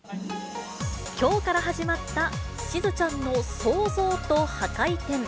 きょうから始まったしずちゃんの、創造と破壊展。